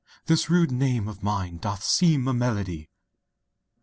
this rude name of mine Doth seem a melody!